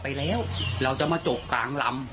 ในเมื่อเราสวดไปเราจะมาจบการรำ